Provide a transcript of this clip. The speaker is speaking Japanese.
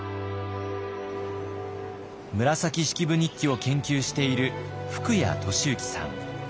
「紫式部日記」を研究している福家俊幸さん。